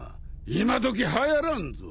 今どきはやらんぞ